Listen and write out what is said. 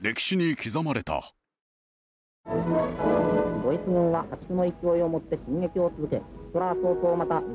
ドイツ軍が破竹の勢いをもって進撃を続け。